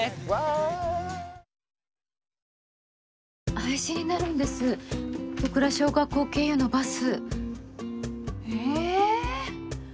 廃止になるんです戸倉小学校経由のバス。